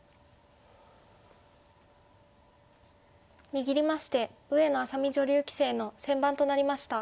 握りまして上野愛咲美女流棋聖の先番となりました。